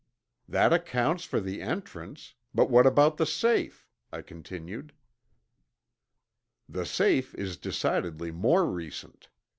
"That accounts for the entrance. But what about the safe?" I continued. "The safe is decidedly more recent.